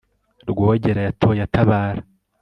rwogera yatoye atabara